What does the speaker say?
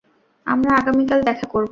আমরা আগামীকাল দেখা করব।